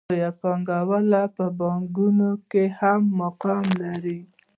لوی پانګوال په بانکونو کې هم مقام لري